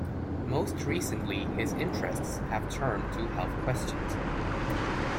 Most recently his interests have turned to health questions.